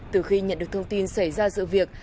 từ khi nhận được thông tin xảy ra sự việc